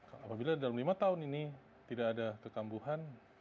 apabila dalam lima tahun ini tidak ada kekambuhan